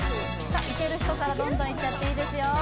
さあいける人からどんどんいっちゃっていいですよ